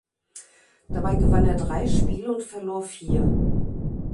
Dabei gewann er drei Spiele und verlor vier.